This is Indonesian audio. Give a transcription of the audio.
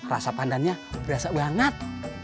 rasa pandannya berasa banget